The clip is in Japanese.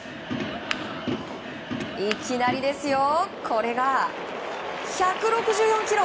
いきなりですよ、これが１６４キロ！